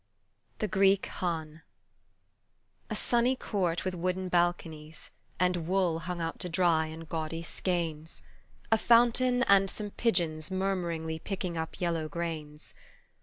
THE GREEK HAN A SUNNY court with wooden balconies, And wool hung out to dry in gaudy skeins, A fountain, and some pigeons murmuringly Picking up yellow grains.